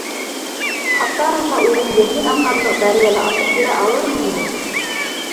Хаттар аша үҙемде һин аңларлыҡ дәрәжәлә асып бирә алырмынмы?